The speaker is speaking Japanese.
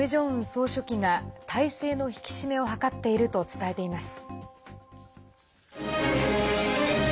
総書記が体制の引き締めを図っていると伝えています。